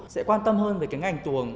sẽ quan tâm hơn về cái ngành tuồng